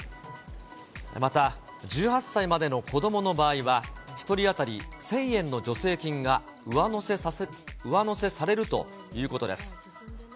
また１８歳までの子どもの場合は、１人当たり１０００円の助成金が上乗せされるということです。